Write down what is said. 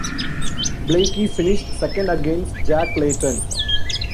Blaikie finished second against Jack Layton.